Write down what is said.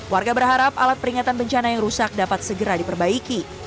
warga berharap alat peringatan bencana yang rusak dapat segera diperbaiki